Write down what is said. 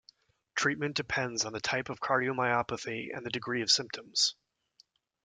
Treatment depends on the type of cardiomyopathy and the degree of symptoms.